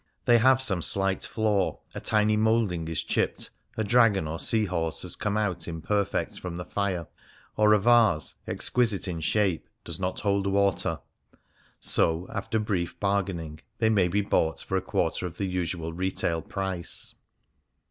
They have some slight flaw — a tiny moulding is chipped, a dragon or sea horse has come out imperfect from the fire, or a vase, exquisite in shape, does not hold water — so, after brief bargaining, they may be bought for a quarter of the usual retail price.